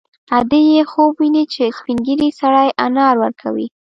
ادې یې خوب ویني چې سپین ږیری سړی انار ورکوي